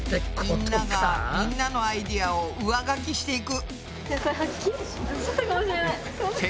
みんながみんなのアイデアを上書きしていく。